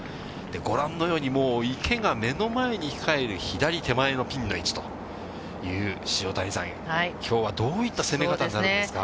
ご覧のように池が目の前に控える左手前のピンの位置という塩谷さん、きょうはどういった攻め方になるんですか。